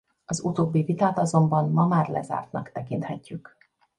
Az utóbbi vitát azonban ma már lezártnak tekinthetjük.